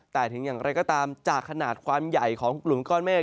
แต่ถึงอย่างไรก็ตามจากขนาดความใหญ่ของกลุ่มก้อนเมฆ